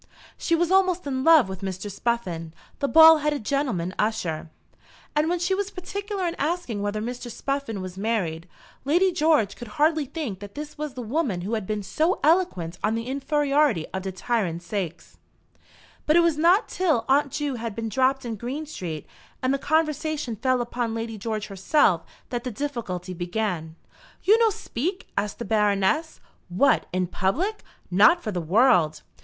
She was almost in love with Mr. Spuffin, the bald headed gentleman usher; and when she was particular in asking whether Mr. Spuffin was married, Lady George could hardly think that this was the woman who had been so eloquent on the "infairiority of de tyrant saix." But it was not till Aunt Ju had been dropped in Green Street, and the conversation fell upon Lady George herself, that the difficulty began. "You no speak?" asked the Baroness. "What, in public! Not for the world!"